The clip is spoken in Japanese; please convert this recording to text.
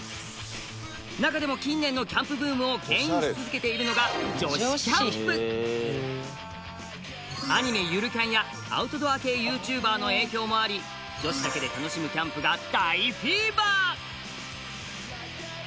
中でも近年のキャンプブームをけん引し続けているのがアニメ「ゆるキャン△」やアウトドア系ＹｏｕＴｕｂｅｒの影響もあり女子だけで楽しむキャンプが大フィーバー！